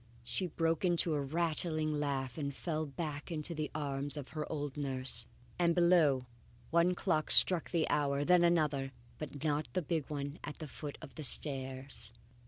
she broke into a rattling laugh, and fell back into the arms of her old nurse. And below, one clock struck the hour and then another. But not the big one at the foot of the stairs.